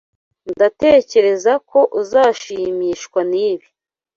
Ndatekereza ko uzashimishwa nibi.